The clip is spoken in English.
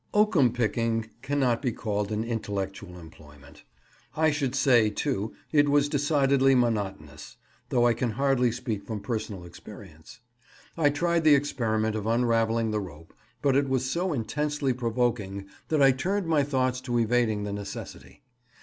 Oakum picking cannot be called an intellectual employment. I should say, too, it was decidedly monotonous, though I can hardly speak from personal experience. I tried the experiment of unravelling the rope, but it was so intensely provoking that I turned my thoughts to evading the necessity.